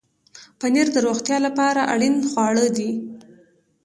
پنېر د روغتیا لپاره اړین خواړه دي.